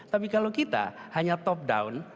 tapi kalau kita hanya top down